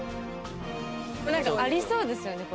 何かありそうですよね